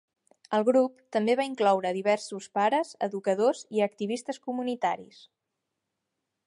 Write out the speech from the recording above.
El grup també va incloure diversos pares, educadors i activistes comunitaris.